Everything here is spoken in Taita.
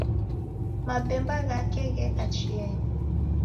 Mabemba ghake gheka chienyi